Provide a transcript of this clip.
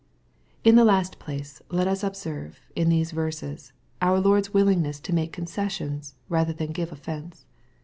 In the last place, let us observe, in these verses, our Lords willingness to make concessions y rather than give offence.